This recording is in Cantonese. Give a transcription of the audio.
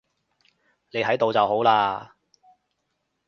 你喺度就好喇